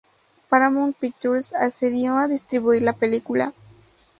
Paramount Pictures accedió a distribuir la película.